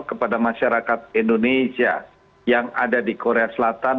kepada masyarakat indonesia yang ada di korea selatan